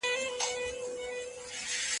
خوراک منظم وساتئ.